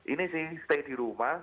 ini sih stay di rumah